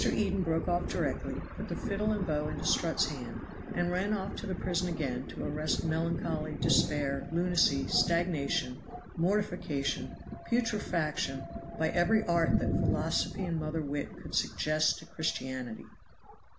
Eden broke off directly, put fiddle and bow into Strutt's hand, and ran off to the prison again to arrest melancholy, despair, lunacy, stagnation, mortification, putrefaction, by every art that philosophy and mother wit could suggest to Christianity.